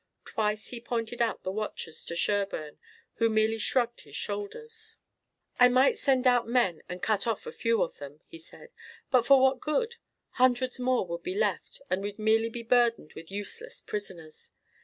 Twice he pointed out the watchers to Sherburne who merely shrugged his shoulders. "I might send out men and cut off a few of them," he said, "but for what good? Hundreds more would be left and we'd merely be burdened with useless prisoners.